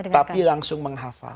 tapi langsung menghafal